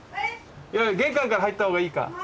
玄関から入ったほうがいいか？